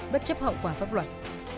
bất chấp hậu quả pháp luật